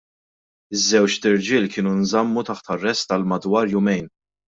Iż-żewġt irġiel kienu nżammu taħt arrest għal madwar jumejn.